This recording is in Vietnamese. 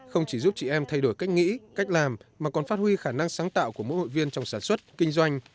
không chỉ giúp chị em thay đổi cách nghĩ cách làm mà còn phát huy khả năng sáng tạo của mỗi hội viên trong sản xuất kinh doanh